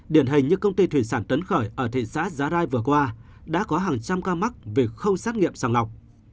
điển hình như công ty thủy sản tuấn khởi ở thị xã giá rai vừa qua đã có hàng trăm ca mắc về khâu xét nghiệm sàng lọc